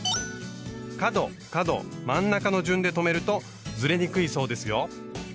角角真ん中の順で留めるとずれにくいそうですよ。